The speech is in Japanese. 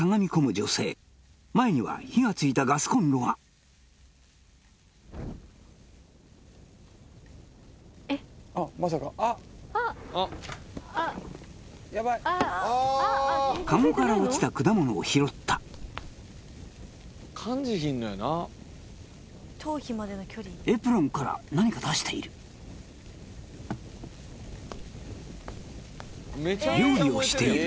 女性前には火がついたガスコンロがカゴから落ちた果物を拾ったエプロンから何か出している料理をしている